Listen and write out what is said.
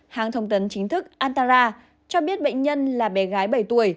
hãng thông tấn chính thức antara cho biết bệnh nhân là bé gái bảy tuổi